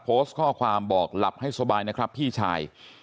โพสต์ข้อความบอกหลับให้สบายนะครับพี่ชาย